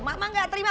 mama gak terima